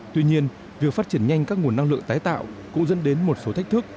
tuy nhiên việc phát triển nhanh các nguồn năng lượng tái tạo cũng dẫn đến một số thách thức